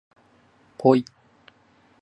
ぽい